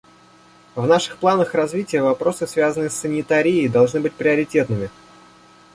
В наших планах развития вопросы, связанные с санитарией, должны быть приоритетными.